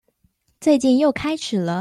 最近又開始了